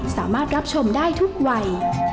สามารถรับชมได้ทุกวัย